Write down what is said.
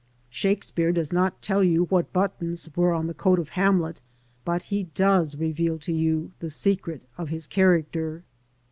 Shakespeare does not tell you what buttons were on the coat of Hamlet, but he ches reveal to you the secret of his character.